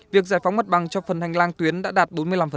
việc giải phóng mặt bằng cho phần hành lang tuyến đã đạt bốn mươi năm